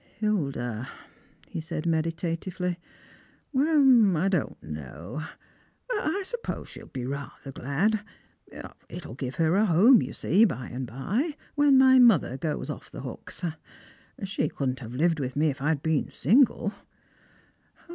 " Hilda," he said meditatively ;" well, I don't know. But 1 suppose she'll be rather glad. It'll give her a home, you see, by and by, when my mother goes off the hooks. She couldn't have lived with me if I'd been single."